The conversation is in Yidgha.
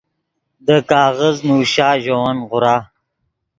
دے کاغذ نوشا ژے ون غورا